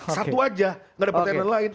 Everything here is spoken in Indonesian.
satu aja nggak ada partai lain